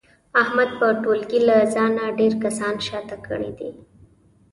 احمد په ټولګي له ځانه ډېر کسان شاته کړي دي.